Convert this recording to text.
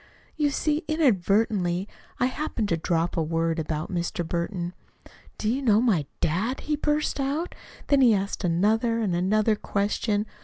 You see, inadvertently, I happened to drop a word about Mr. Burton. 'Do you know my dad?' he burst out. Then he asked another and another question.